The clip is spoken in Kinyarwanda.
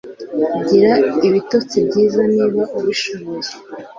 gira ibitotsi byiza niba ubishoboye